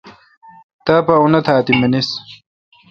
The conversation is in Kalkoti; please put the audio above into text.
تاپا انت آ تی منیس۔